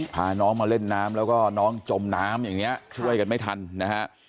พาน้องมาเล่นน้ำแล้วก็น้องจมน้ำอย่างนี้ช่วยกันไม่ทันนะฮะ